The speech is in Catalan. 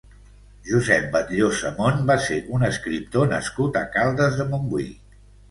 Josep Batlló Samón va ser un escriptor nascut a Caldes de Montbui.